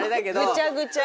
ぐちゃぐちゃ。